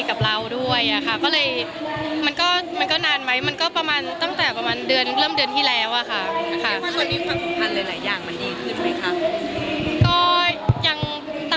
กับเราด้วยอะค่ะก็เลยมันก็นานไหมมันก็ประมาณตั้งแต่ประมาณเดือนเริ่มเดือนที่แล้วอะค่ะ